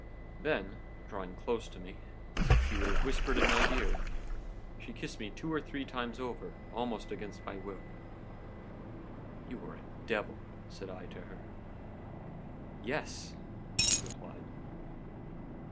Then, drawing close to me, as if she would have whispered in my ear, she kissed me two or three times over almost against my will. "'You are a devil,' said I to her. "'Yes,' she replied.